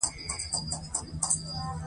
تنور د افغان کلي یوه ژوندي نښانه ده